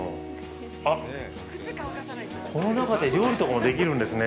あっ、この中で料理とかもできるんですね。